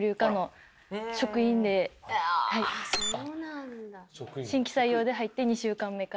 そうなんだ。